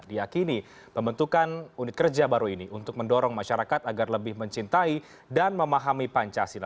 diakini pembentukan unit kerja baru ini untuk mendorong masyarakat agar lebih mencintai dan memahami pancasila